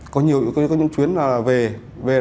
có những chuyến về